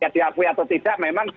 diakui atau tidak memang